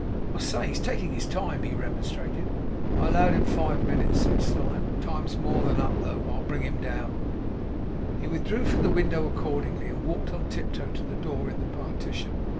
'I say! He's taking his time!' he remonstrated. 'I allowed him five minutes,' said Slyme. 'Time's more than up, though. I'll bring him down.' He withdrew from the window accordingly, and walked on tiptoe to the door in the partition.